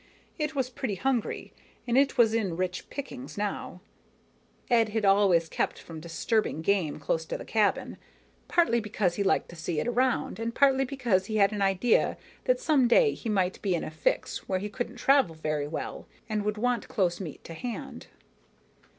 It was pretty hungry, and it was in rich pickings now Ed had always kept from disturbing game close to the cabin, partly because he liked to see it around, and partly because he had an idea that some day he might be in a fix where he couldn't travel very well, and would want meat close to hand.